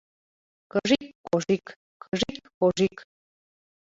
Кыжик-кожик, кыжик-кожик!